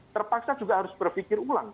terpaksa juga harus berpikir ulang